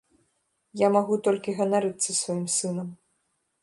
Я магу толькі ганарыцца сваім сынам.